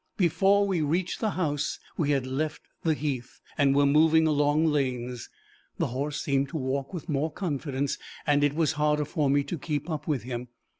Before we reached the house, we had left the heath, and were moving along lanes. The horse seemed to walk with more confidence, and it was harder for me to keep up with him.